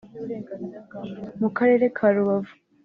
mu karere ka Rubavu